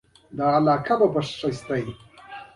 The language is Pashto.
دا همغه ونه ده چې پیغمبر صلی الله علیه وسلم لاندې دمه کړې.